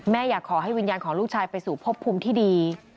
อยากขอให้วิญญาณของลูกชายไปสู่พบภูมิที่ดี